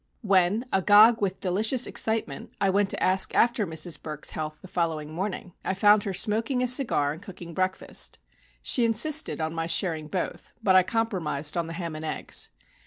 When, agog with delicious excitement, I went to ask after Mrs. Burk's health the following morning. I found her smoking a cigar and cooking breakfast. She insisted on my sharing both, but I compromised on the ham and eggs.